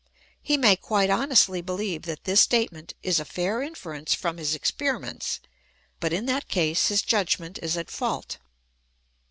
He may quite honestly believe that this statement is a fair inference from his experiments, but in that case his judgment is at fault.